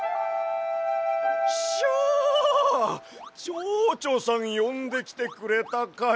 ちょうちょさんよんできてくれたかや。